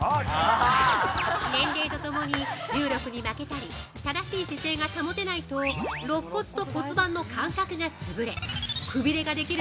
◆年齢とともに重力に負けたり正しい姿勢が保てないとろっ骨と骨盤の間隔が潰れくびれができる